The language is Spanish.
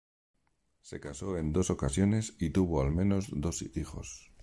Se casó en dos ocasiones y tuvo al menos dos hijos.